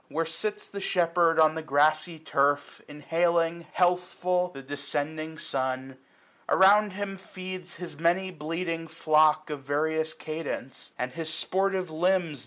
Where sits the shepherd on the grassy turf, 830 Inhaling, healthful, the descending sun. Around him feeds his many bleating flock. Of various cadence ; and his sportive lambs.